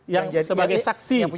yang sebagai saksi